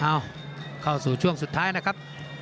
เอ้าเข้าสู่ช่วงสุดท้ายนะครับ